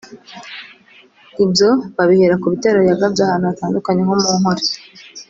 Ibyo babihera ku bitero yagabye ahantu hatandukanye nko mu Nkole